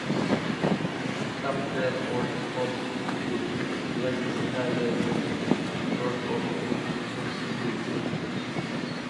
Some tracks on "Of This Blood" were described as "a sort of post-punk blues".